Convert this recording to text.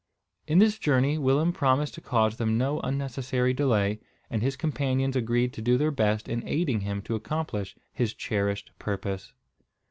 In this journey Willem promised to cause them no unnecessary delay; and his companions agreed to do their best in aiding him to accomplish his cherished purpose.